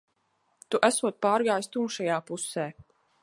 Tu esot pārgājis tumšajā pusē.